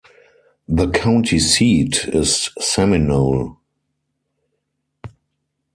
The county seat is Seminole.